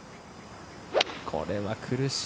これは苦しい。